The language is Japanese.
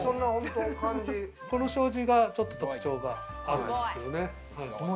この障子がちょっと特徴があるんですけどね。